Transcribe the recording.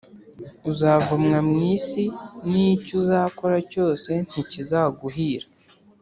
uzavumwa mu isi nicyo uzakora cyose ntikizaguhira